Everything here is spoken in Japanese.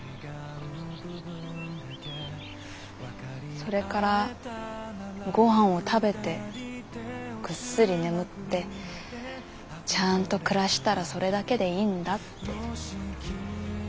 それからごはんを食べてぐっすり眠ってちゃんと暮らしたらそれだけでいいんだって。